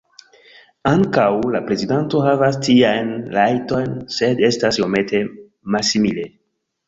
Ankaŭ la prezidanto havas tiajn rajtojn sed estas iomete malsimile.